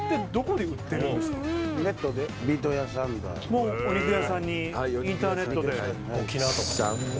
もうお肉屋さんにインターネットで。